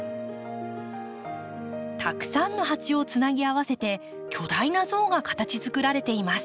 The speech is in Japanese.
たくさんのハチをつなぎ合わせて巨大な像が形作られています。